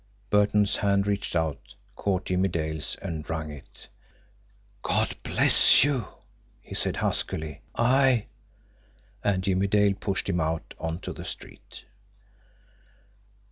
Burton's hand reached out, caught Jimmie Dale's, and wrung it. "God bless you!" he said huskily. "I " And Jimmie Dale pushed him out on to the street.